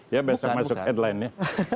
ya besok masuk headline ya